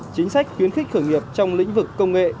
chính sách khuyến khích khởi nghiệp trong lĩnh vực công nghệ